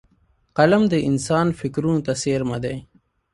قلم د انسان فکرونو ته څېرمه دی